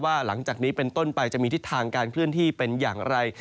หลังจากนี้เป็นต้นไปจะมีทิศทางการเคลื่อนที่เป็นอย่างไร